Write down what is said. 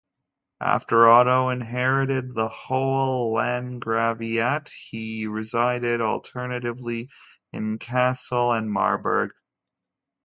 After Otto inherited the whole Landgraviate, he resided alternately in Kassel and Marburg.